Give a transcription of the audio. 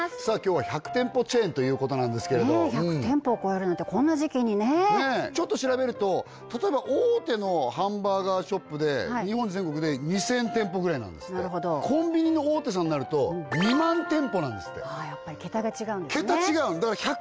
今日は１００店舗チェーンということなんですけれど１００店舗を超えるなんてこんな時期にねちょっと調べると例えば大手のハンバーガーショップで日本全国で２０００店舗ぐらいなんですってコンビニの大手さんになると２万店舗なんですってやっぱり桁が違うんですね